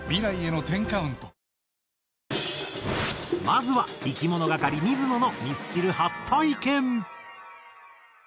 まずはいきものがかり水野のミスチル初体験。